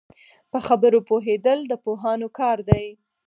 په خبرو پوهېدل د پوهانو کار دی